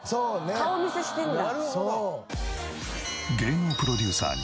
顔見せしてるんだ。